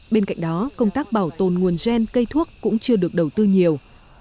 bên cạnh đó công tác bảo tồn nguồn gen cây thuốc cũng chưa được đầu tư nhiều